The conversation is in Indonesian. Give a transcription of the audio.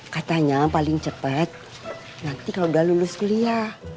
katanya paling cepat nanti kalau udah lulus kuliah